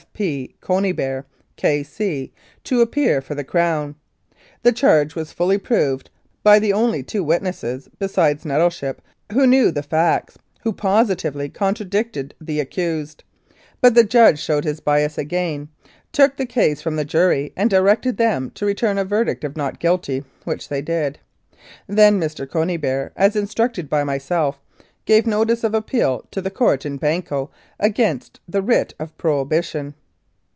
F. P. Conybeare, K.C., to appear for the Crown. The charge was fully proved by the only two witnesses, besides Nettleship, who knew the facts, who positively contradicted the accused, but the judge showed his bias again, took the case from the jury, and directed them to return a verdict of " Not guilty," which they did. Then Mr. Conybeare, as instructed by myself, gave notice of appeal to the Court in Banco against the Writ of Prohibition.